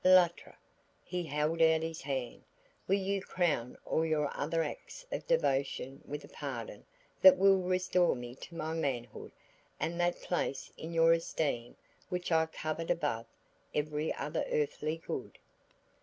Luttra," he held out his hand "will you crown all your other acts of devotion with a pardon that will restore me to my manhood and that place in your esteem which I covet above every other earthly good?"